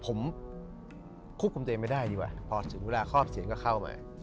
ผมควบคุมตัวเองไม่ได้ดีกว่าพอถึงเวลาครอบเสียงก็เข้ามา